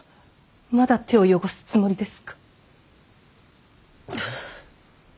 まだ手を汚すつもりですか。